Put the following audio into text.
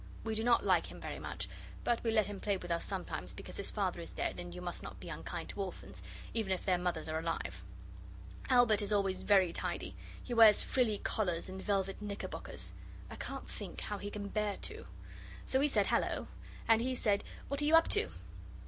We do not like him very much, but we let him play with us sometimes, because his father is dead, and you must not be unkind to orphans, even if their mothers are alive. Albert is always very tidy. He wears frilly collars and velvet knickerbockers. I can't think how he can bear to. So we said, 'Hallo!' And he said, 'What are you up to?